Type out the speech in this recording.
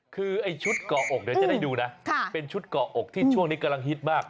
คือไอ้ชุดเกาะอกเดี๋ยวจะได้ดูนะเป็นชุดเกาะอกที่ช่วงนี้กำลังฮิตมาก